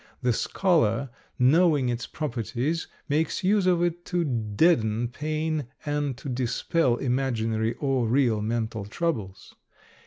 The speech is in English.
The scholar knowing its properties makes use of it to deaden pain and to dispel imaginary or real mental troubles.